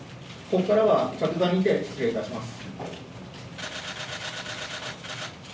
ここからは着座にて失礼いたします。